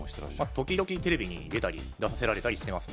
時々テレビに出たり出させられたりしてます